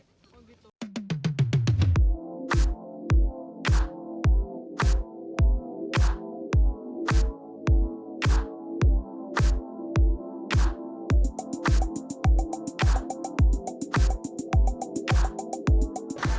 nah kita mulai